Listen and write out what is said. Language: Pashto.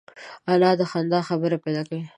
انا د خندا خبره پیدا کوي